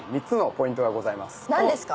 何ですか？